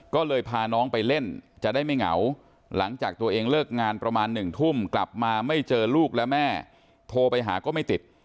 ก็เลยพาน้องไปเล่นจะได้ไม่เหงาหลังจากตัวเองเลิกงานประมาณ๑ทุ่มกลับมาไม่เจอลูกและแม่โทรไปหาก็ไม่ติด